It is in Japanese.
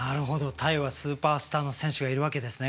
タイはスーパースターの選手がいるわけですね。